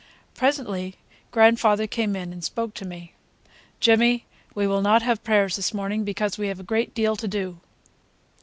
Presently grandfather came in and spoke to me: "Jimmy, we will not have prayers this morning, because we have a great deal to do.